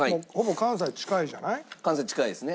関西に近いですね。